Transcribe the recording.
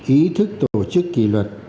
ý thức tổ chức kỷ luật